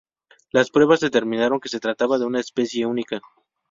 Las pruebas determinaron que se trataba de una especie única.